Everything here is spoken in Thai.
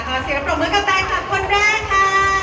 ตอนเสียบรมเมืองกับแปลงค่ะคนแรกค่ะ